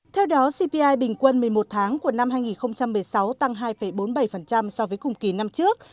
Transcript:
theo đó cpi bình quân một mươi một tháng của năm hai nghìn một mươi sáu tăng hai bốn mươi bảy so với cùng kỳ năm trước